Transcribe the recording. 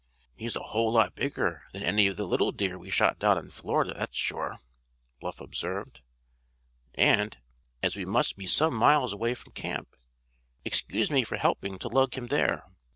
"He's a whole lot bigger than any of the little deer we shot down in Florida, that's sure," Bluff observed, "and, as we must be some miles away from camp, excuse me from helping to lug him there.